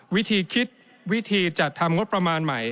วิธีคิดวิธีจัดทำงบประมาณใหม่